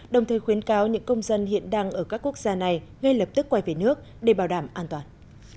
đồng thời khuyến cáo những công dân hiện đang ở các quốc gia này ngay lập tức quay về nước để bảo đảm an toàn